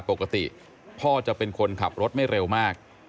ปกติพ่อจะเป็นคนขับรถไม่เร็วมาก